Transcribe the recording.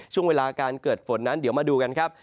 ช่วงเวลาการเกิดฝนนั้นเดี๋ยวมาดูกันครับ